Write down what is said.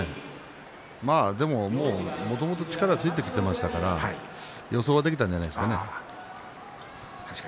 でも、もともと力をつけてきていましたから予想はできていたんじゃないですかね。